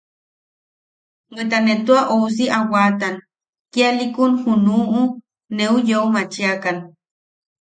Bweta ne tua ousi a waatan kialiʼikun junuʼu neu yeu machiakan.